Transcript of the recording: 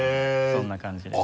そんな感じで。